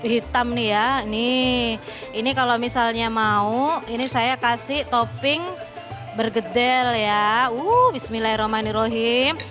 hitam nih ya nih ini kalau misalnya mau ini saya kasih topping bergedel ya uh bismillahirrahmanirrohim